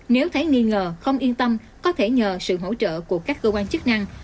nếu thấy nghi ngờ không yên tâm có thể nhờ sự hỗ trợ của các cơ quan chức năng